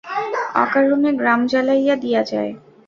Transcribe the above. অকারণে গ্রাম জ্বালাইয়া দিয়া যায়।